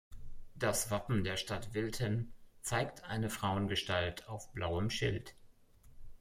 Das Wappen der Stadt Wilthen zeigt eine Frauengestalt auf blauem Schild.